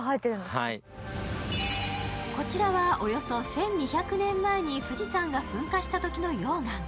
こちらはおよそ１２００年前に富士山が噴火したときの溶岩。